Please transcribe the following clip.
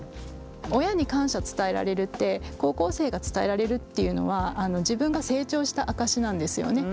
親に感謝を伝えられるって高校生が伝えられるっていうのは自分が成長した証しなんですよね。